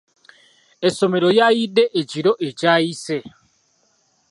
Essomero lyayidde ekiro ekyayise.